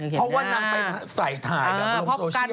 เพราะว่านางไปใส่ถ่ายแบบลงโซเชียล